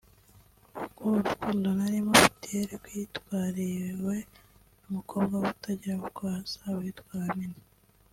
kuko urukundo nari mufitiye rwitwariwe n’umukobwa utagira uko asa witwa Amina